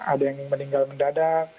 ada yang meninggal mendadak